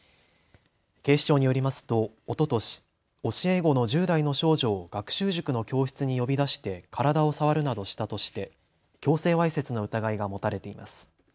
警視庁によりますと、おととし教え子の１０代の少女を学習塾の教室に呼び出して体を触るなどしたとして強制わいせつの疑いが持たれています。